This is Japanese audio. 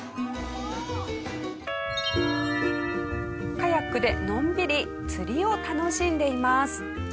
カヤックでのんびり釣りを楽しんでいます。